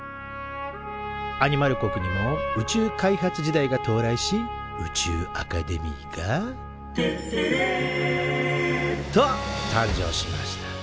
アニマル国にも宇宙開発時代がとう来し宇宙アカデミーが「てってれー！」と誕生しました。